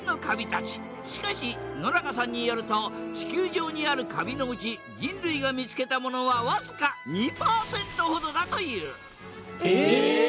しかし野中さんによると地球上にあるカビのうち人類が見つけたものは僅か２％ほどだというええ！？